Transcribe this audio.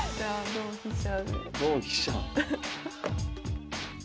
同飛車。